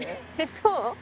そう？